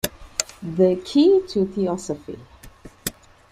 "The Key to Theosophy".